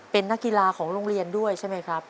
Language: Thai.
เป็นนักกีฬาของโรงเรียนด้วยใช่ไหมครับ